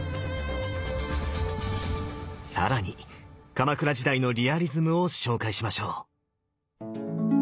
更に鎌倉時代のリアリズムを紹介しましょう。